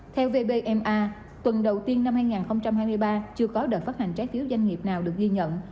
theo vbma tuần đầu tiên năm hai nghìn hai mươi ba chưa có đợt phát hành trái phiếu doanh nghiệp nào được ghi nhận